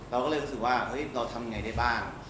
เราก็เลยรู้สึกว่าเฮ้ยเราทำไงได้บ้าง